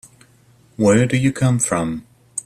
Where do you come from?